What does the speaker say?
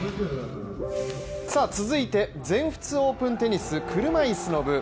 続いて全仏オープンテニス車いすの部。